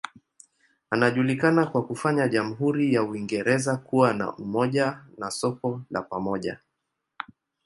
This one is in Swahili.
Anajulikana kwa kufanya jamhuri ya Uingereza kuwa na umoja na soko la pamoja.